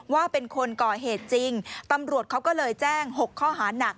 ว่าเป็นคนก่อเหตุจริงตำรวจเขาก็เลยแจ้ง๖ข้อหานัก